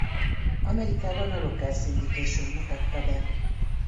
Amerikában a local syndication mutatta be.